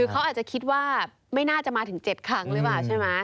หรือเขาอาจจะคิดว่าไม่น่าจะมาถึง๗ครั้งเลยบ้างใช่ไหม